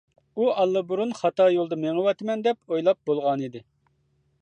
ئۇ ئاللىبۇرۇن خاتا يولدا مېڭىۋاتىمەن دەپ ئويلاپ بولغانىدى.